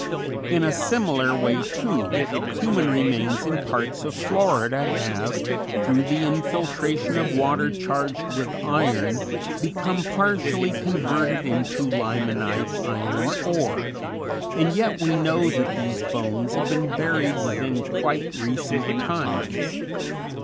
In a similar way, too, human remains in parts of Florida have, through the infiltration of water charged with iron, become partially converted into limonite iron ore; and yet we know that these bones have been buried within quite recent times.